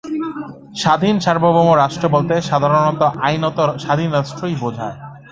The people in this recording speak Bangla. স্বাধীন-সার্বভৌম রাষ্ট্র বলতে সাধারণত আইনত স্বাধীন রাষ্ট্রই বোঝায়।